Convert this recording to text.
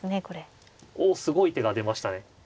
おおすごい手が出ましたね。